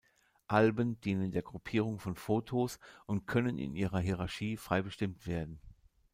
Alben dienen der Gruppierung von Fotos und können in ihrer Hierarchie frei bestimmt werden.